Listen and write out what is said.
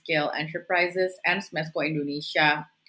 pembangunan sedang di smedsko indonesia